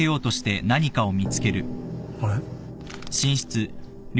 あれ？